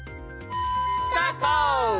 スタート！